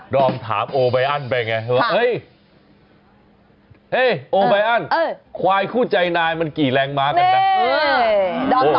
อมถามโอไบอันไปไงว่าเฮ้ยโอไบอันควายคู่ใจนายมันกี่แรงม้ากันนะ